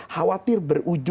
kalau saya menerima